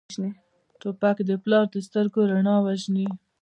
توپک د پلار د سترګو رڼا وژني.